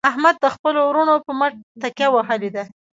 احمد د خپلو ورڼو په مټ تکیه وهلې ده.